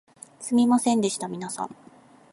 すみませんでした皆さん